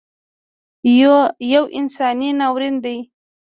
یو انساني ناورین دی